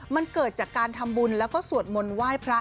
มันเกิดจากการทำบุญแล้วก็สวดมนต์ไหว้พระ